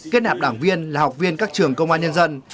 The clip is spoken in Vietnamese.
kết nạp đảng viên là học viên các trường công an nhân dân